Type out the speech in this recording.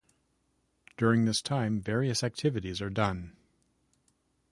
During this time, various activities are done.